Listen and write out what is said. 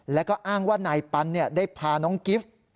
แล้วก็อ้างว่านายปันได้พาน้องกิฟต์